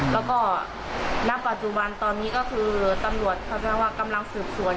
แล้วก็ณปัจจุบันตอนนี้ก็คือตำรวจเขาแสดงว่ากำลังสืบสวน